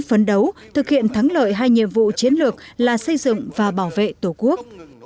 phấn đấu thực hiện thắng lợi hai nhiệm vụ chiến lược là xây dựng và bảo vệ tổ quốc